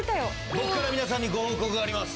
僕から皆さんにご報告があります。